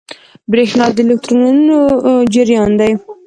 برېښنا د الکترونونو جریان دی.